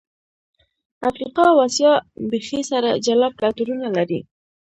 افریقا او آسیا بیخي سره جلا کلتورونه لري.